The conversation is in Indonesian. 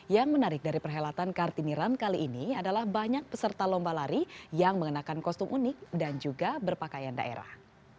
yang menarik dari perhelatan kartini run kali ini adalah banyak peserta lomba lari yang mengenakan kostum unik dan juga berpakaian daerah